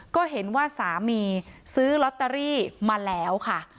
ก็เห็นว่าสามีซื้อลอตเตอรี่มาแล้วค่ะ